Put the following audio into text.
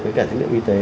với cả dữ liệu y tế